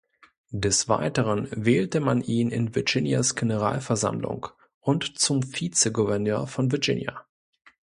Des Weiteren wählte man ihn in Virginias Generalversammlung und zum Vizegouverneur von Virginia.